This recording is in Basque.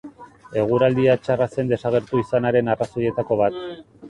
Eguraldia txarra zen desagertu izanaren arrazoietako bat.